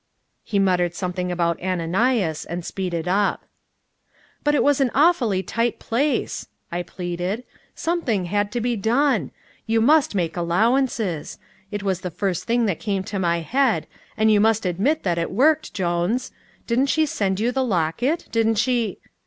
He muttered something about Ananias, and speeded up. "But it was an awfully tight place," I pleaded. "Something had to be done; you must make allowances; it was the first thing that came into my head and you must admit that it worked, Jones. Didn't she send you the locket? Didn't she